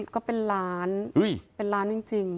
ก็เป็นล้านเป็นล้านจริง